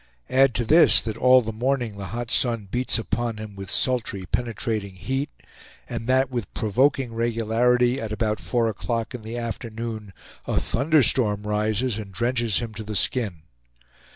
Add to this, that all the morning the hot sun beats upon him with sultry, penetrating heat, and that, with provoking regularity, at about four o'clock in the afternoon, a thunderstorm rises and drenches him to the skin.